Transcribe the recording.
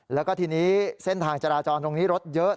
แล้วก็ทีนี้เส้นทางจราจรตรงนี้รถเยอะ